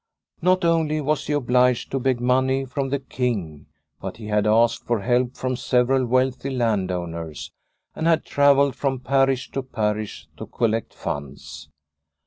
Not only was he obliged to beg money from the King, but he had asked for help from several wealthy land owners, and had travelled from parish to parish to collect funds.